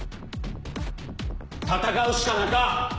戦うしかなか！